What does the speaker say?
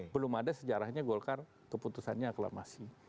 belum ada sejarahnya golkar keputusannya aklamasi